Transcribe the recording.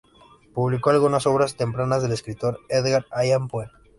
Publicó algunas obras tempranas del escritor Edgar Allan Poe.